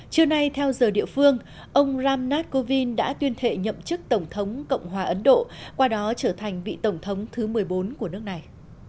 trưa nay theo giờ địa phương ông ramnath kovin đã tuyên thệ nhậm chức tổng thống cộng hòa ấn độ qua đó trở thành vị tổng thống thứ một mươi bốn của nước này